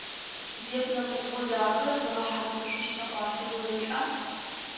Веб нэкӏубгъо дахэ зыгъэхьазырышъущт нэӏуасэ горэ уиӏа?